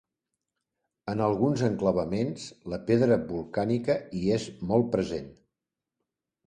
En alguns enclavaments, la pedra volcànica hi és molt present.